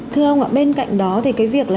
thưa ông bên cạnh đó thì cái việc là